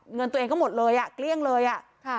เงินตัวเองก็หมดเลยอ่ะเกลี้ยงเลยอ่ะค่ะ